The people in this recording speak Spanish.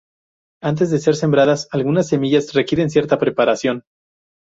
Antes de ser sembradas algunas semillas requieren cierta preparación.